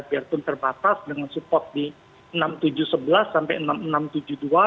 biarpun terbatas dengan support di rp enam tujuh ratus sebelas sampai rp enam enam ratus tujuh puluh dua